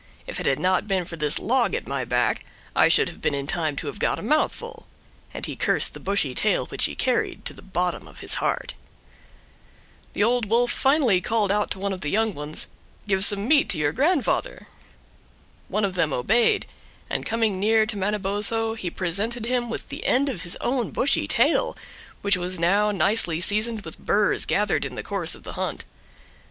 If it had not been for this log at my back I should have been in time to have got a mouthful"; and he cursed the bushy tail which he carried to the bottom of his heart. The Old Wolf finally called out to one of the young ones, "Give some meat to your grandfather." One of them obeyed, and coming near to Manabozho he presented him the end of his own bushy tail, which was now nicely seasoned with burs gathered in the course of the hunt.